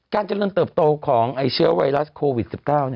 เจริญเติบโตของเชื้อไวรัสโควิด๑๙